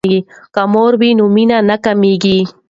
که مور وي نو مینه نه کمیږي.